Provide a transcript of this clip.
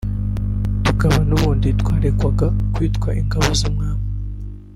tukaba n’ubundi twaregwaga kwitwa ingabo z’umwami»